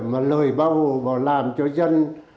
mà lời bác hồ bảo làm cho dân